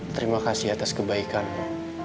terima kasih atas kebaikanmu